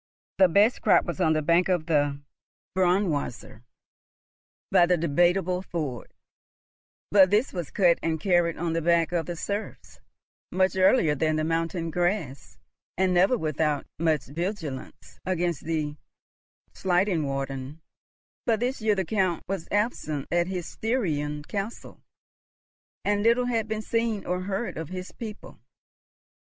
The best crop was on the bank of the Braunwasser, by the Debateable Ford, but this was cut and carried on the backs of the serfs, much earlier than the mountain grass, and never without much vigilance against the Schlangenwaldern; but this year the Count was absent at his Styrian castle, and little had been seen or heard of his people.